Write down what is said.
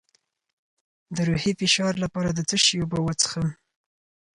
د روحي فشار لپاره د څه شي اوبه وڅښم؟